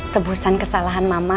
tebusan kesalahan mama